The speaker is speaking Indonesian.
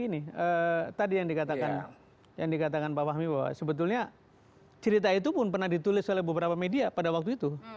jadi saya mau nanya lagi nih tadi yang dikatakan yang dikatakan pak fahmi bahwa sebetulnya cerita itu pun pernah ditulis oleh beberapa media pada waktu itu